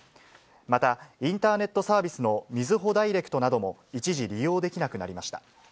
また、インターネットサービスのみずほダイレクトなども一時、利用できなくなりました。